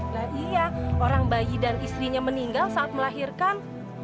nah iya orang bayi dan istrinya meninggal saat melahirkan